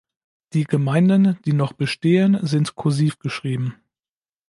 Die Gemeinden, die noch bestehen, sind kursiv geschrieben.